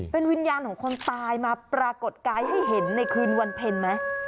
เป็นวิญญาณของคนตายมาปรากฏกายให้เห็นในคืนวันเพ็ญไหม